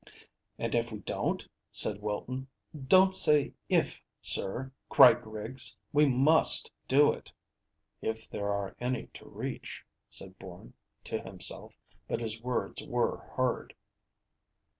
"And if we don't?" said Wilton. "Don't say if, sir," cried Griggs. "We must do it." "If there are any to reach," said Bourne, to himself; but his words were heard.